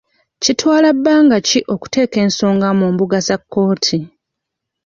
Kitwala bbanga ki okuteeka ensonga mu mbuga za kkooti?